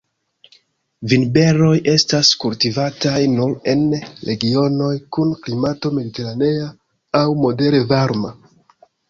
Vinberoj estas kultivataj nur en regionoj kun klimato mediteranea aŭ modere varma.